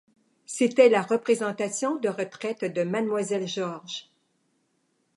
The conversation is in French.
C'était la représentation de retraite de Mademoiselle George.